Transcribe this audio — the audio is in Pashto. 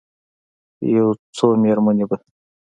یو څو میرمنې به،